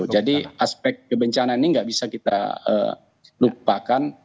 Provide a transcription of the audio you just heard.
jadi aspek kebencanaan ini nggak bisa kita lupakan